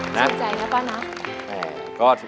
สนใจแล้วป่ะนะ